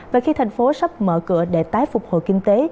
và khi thành phố sắp mở cửa để tái phục hồi kinh tế